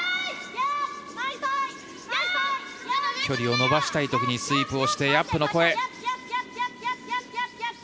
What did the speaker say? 距離を伸ばしたい時にスイープをしてヤップの声。